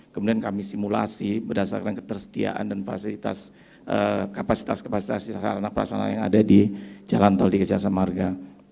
kemudian kami simulasi berdasarkan ketersediaan dan kapasitas kapasitas sarana perasana yang ada di jalan tol di kejasa marga